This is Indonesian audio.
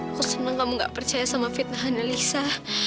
aku senang kamu gak percaya sama fitnah analisa